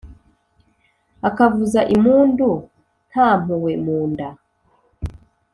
Akavuza impundu nta mpuhwe mu nda